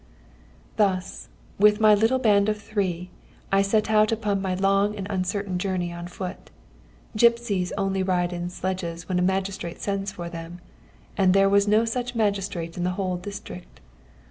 "Thus, with my little band of three, I set out upon my long and uncertain journey on foot. Gipsies only ride in sledges when a magnate sends for them, and there was no such magnate in the whole district.